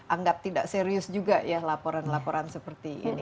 anggap tidak serius juga ya laporan laporan seperti ini